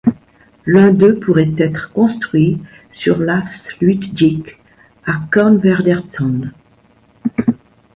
L'un d'eux pourrait être construit sur l'Afsluitdijk à Kornwerderzand.